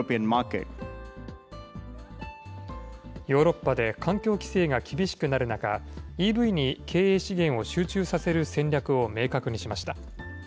ヨーロッパで環境規制が厳しくなる中、ＥＶに経営資源を集中させる戦略を明確にしました。